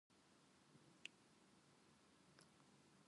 常に詩材の準備をして置くのである。